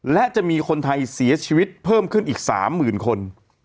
และจะมีคนไทยเสียชีวิตเพิ่มขึ้นอีก๓๐๐๐คน